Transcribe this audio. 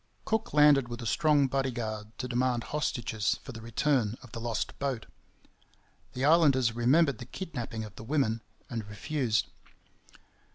Cook landed with a strong bodyguard to demand hostages for the return of the lost boat. The islanders remembered the kidnapping of the women, and refused.